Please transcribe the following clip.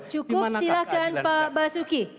cukup silahkan pak basuki